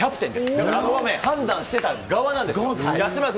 だから判断してた側なんです。